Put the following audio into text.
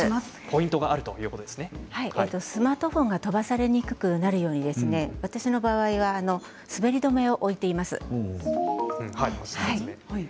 スマートフォンが飛ばされにくくなるように私の場合は滑り止めを置いています。